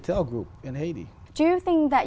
tôi đã gọi nhiều bài hát